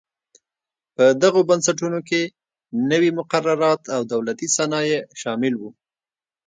په دغو بنسټونو کې نوي مقررات او دولتي صنایع شامل و.